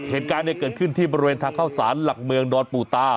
เหตุการณ์เกิดขึ้นที่บริเวณทางเข้าสารหลักเมืองดอนปูตา